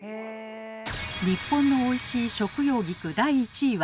日本のおいしい食用菊第１位は。